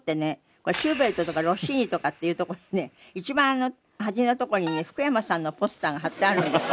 これシューベルトとかロッシーニとかっていうとこにね一番端のところにね福山さんのポスターが貼ってあるんです。